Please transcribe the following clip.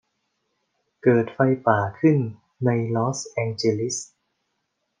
เกิดไฟป่าขึ้นในลอสแองเจลิส